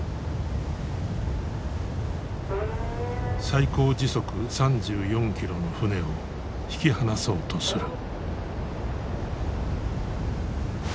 最高時速３４キロの船を引き離そうとする。